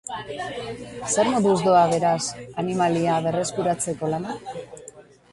Zer moduz doa, beraz, animalia berreskuratzeko lana?